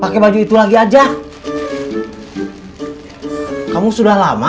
pakai baju itu lagi aja kamu sudah lama